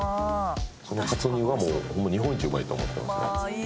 そのかつ煮はもう日本一うまいと思ってますね。